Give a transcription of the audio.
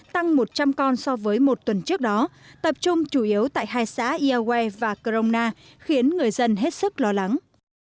tăng một trăm linh con so với một tuần trước đó tập trung chủ yếu tại hai xã iae và crona khiến người dân hết sức lo lắng